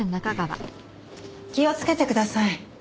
気をつけてください。